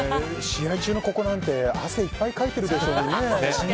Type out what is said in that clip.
試合中の肩なんて汗いっぱいかいてるでしょうね。